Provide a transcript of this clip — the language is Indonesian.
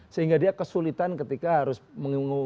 sehingga dia kesulitan ketika harus menunggu